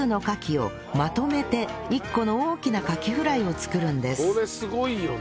これすごいよな。